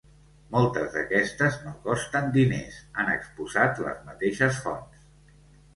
Moltes d’aquestes ‘no costen diners’, han exposat les mateixes fonts.